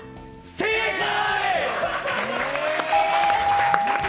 正解！